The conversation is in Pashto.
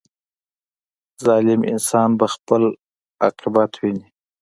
• ظالم انسان به خپل عاقبت ویني.